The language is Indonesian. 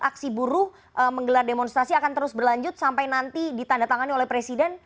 aksi buruh menggelar demonstrasi akan terus berlanjut sampai nanti ditandatangani oleh presiden